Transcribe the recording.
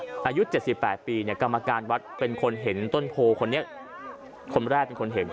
อายุ๗๘ปีเนี่ยกรรมการวัดเป็นคนเห็นต้นโพคนนี้คนแรกเป็นคนเห็น